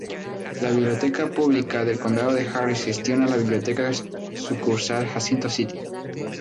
La Biblioteca Pública del Condado de Harris gestiona la Biblioteca Sucursal Jacinto City.